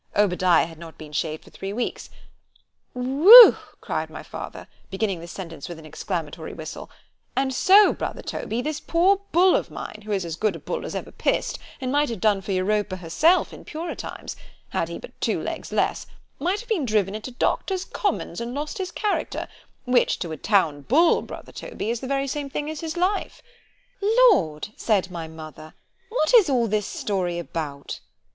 ——Obadiah_ had not been shaved for three weeks——Wheu u u cried my father; beginning the sentence with an exclamatory whistle——and so, brother Toby, this poor Bull of mine, who is as good a Bull as ever p—ss'd, and might have done for Europa herself in purer times——had he but two legs less, might have been driven into Doctors Commons and lost his character——which to a Town Bull, brother Toby, is the very same thing as his life—— L—d! said my mother, what is all this story about?